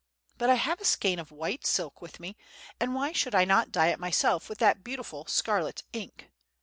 But I have a skein of white silk with me, and why should I not dye it myself with that beautiful scarlet ink?